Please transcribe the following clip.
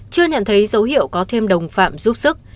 chưa nhận thấy dấu hiệu có thêm đồng phạm giúp sức